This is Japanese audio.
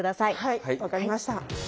はい分かりました。